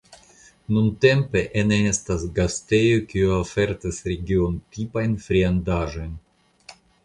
Nuntempe ene estas gastejo kiu ofertas regiontipajn friandaĵojn.